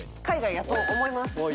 海外やと思います。